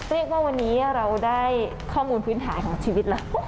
เรียกว่าวันนี้เราได้ข้อมูลพื้นฐานของชีวิตแล้ว